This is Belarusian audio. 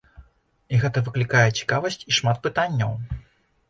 І гэта выклікае цікавасць і шмат пытанняў.